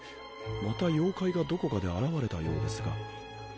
また妖怪がどこかで現れたようですが。